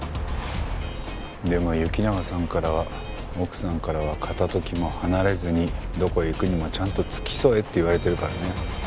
でも行永さんからは奥さんからは片時も離れずにどこへ行くにもちゃんと付き添えって言われてるからね。